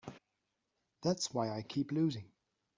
That's why I keep losing.